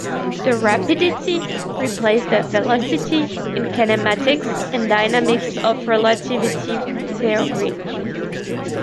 The "rapidity" replaces the "velocity" in kinematics and dynamics of relativity theory.